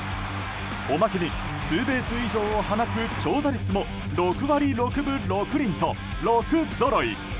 おまけにツーベース以上を放つ長打率も６割６分６厘と６ぞろい。